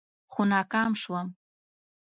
خو ناکام شوم.